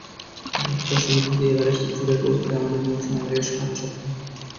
যাত্রা শুরু থেকে এভারেস্টের চূড়ায় পৌঁছাতে আমাদের মোট সময় লাগে সাত সপ্তাহ।